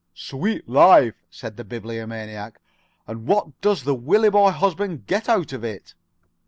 "Sweet life," said the Bibliomaniac. "And what does the Willieboy husband get out of it?"